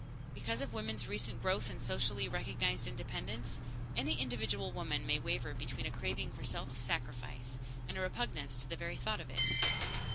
Because of women's recent growth in socially recognized independence, any individual woman may waver between a craving for self sacrifice and a repugnance to the very thought of it.